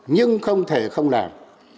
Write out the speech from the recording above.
nhưng không thể không làm